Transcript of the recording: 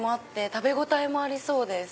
食べ応えもありそうです。